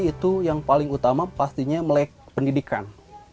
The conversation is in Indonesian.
itu yang paling utama pastinya melek pendidikan